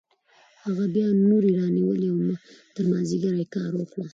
هغه بیا نورې رانیولې او تر مازدیګره یې کار وکړ